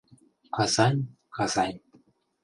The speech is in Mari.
— Казань, Казань...